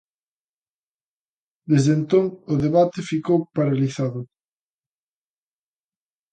Desde entón, o debate ficou paralizado.